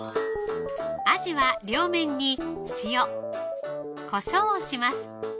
あじは両面に塩・こしょうをします